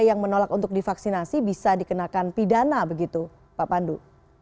yang menolak untuk divaksinasi bisa dikenakan pidana begitu pak pandu